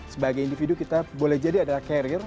sebagai individu kita boleh jadi adalah carrier